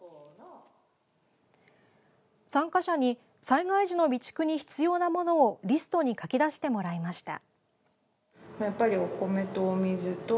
参加者に災害時の備蓄に必要なものをリストに書き出してもらいました。